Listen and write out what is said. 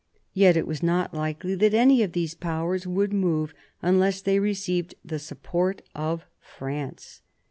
Yet it was not likely that any of these Powers would move unless they received the support of France.